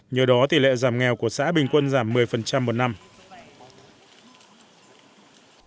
nhờ đó tỷ lệ giảm nghèo của xã bình quân giảm một mươi một năm